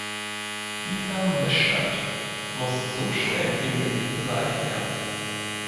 Dieser Missstand muss so schnell wie möglich beseitigt werden.